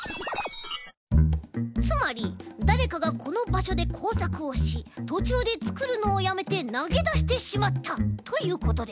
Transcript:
つまりだれかがこのばしょでこうさくをしとちゅうでつくるのをやめてなげだしてしまったということです。